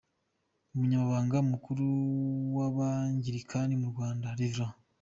Umunyamabanga Mukuru w’Abangilikani mu Rwanda, Rev.